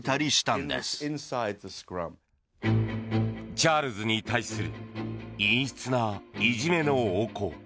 チャールズに対する陰湿ないじめの横行。